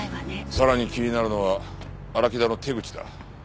さらに気になるのは荒木田の手口だ。